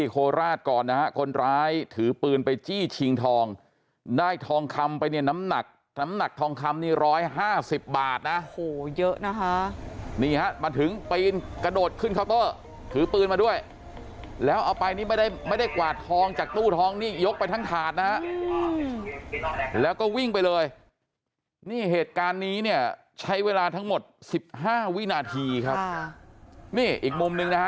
โคราชก่อนนะฮะคนร้ายถือปืนไปจี้ชิงทองได้ทองคำไปเนี่ยน้ำหนักน้ำหนักทองคำนี่๑๕๐บาทนะโอ้โหเยอะนะคะนี่ฮะมาถึงปีนกระโดดขึ้นเคาน์เตอร์ถือปืนมาด้วยแล้วเอาไปนี่ไม่ได้ไม่ได้กวาดทองจากตู้ทองนี่ยกไปทั้งถาดนะฮะแล้วก็วิ่งไปเลยนี่เหตุการณ์นี้เนี่ยใช้เวลาทั้งหมดสิบห้าวินาทีครับนี่อีกมุมหนึ่งนะฮะ